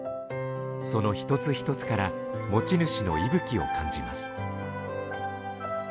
その一つ一つから持ち主の息吹を感じます。